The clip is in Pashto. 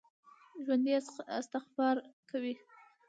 ژوندي استغفار کوي